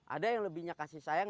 ada yang lebihnya kasih sayang